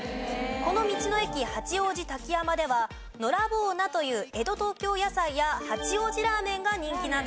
この道の駅八王子滝山ではのらぼう菜という江戸東京野菜や八王子ラーメンが人気なんだそうです。